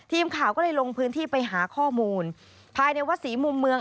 ทีมข่าวก็เลยลงพื้นที่ไปหาข้อมูลภายในวัดศรีมุมเมือง